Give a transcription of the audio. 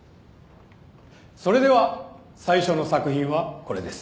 それでは最初の作品はこれです。